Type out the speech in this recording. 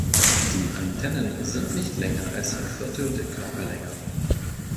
Die Antennen sind nicht länger als ein Viertel der Körperlänge.